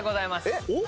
えっ？